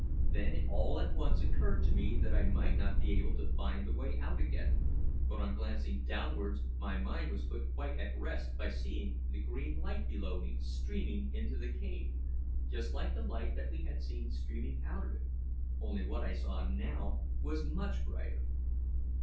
Then it all at once occurred to me that I might not be able to find the way out again; but on glancing downwards, my mind was put quite at rest by seeing the green light below me streaming into the cave, just like the light that we had seen streaming out of it, only what I now saw was much brighter.